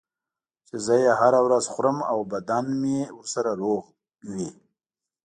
چې زه یې هره ورځ خورم او بدنم ورسره روغ وي.